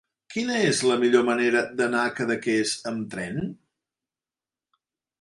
Quina és la millor manera d'anar a Cadaqués amb tren?